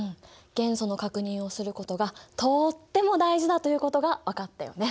元素の確認をすることがとっても大事だということが分かったよね？